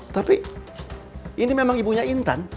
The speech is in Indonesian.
tapi ini memang ibunya intan